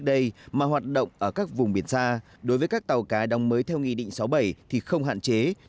trong khi đó khi bán bảo hiểm tàu cá trong khi đó khi bán bảo hiểm tàu cá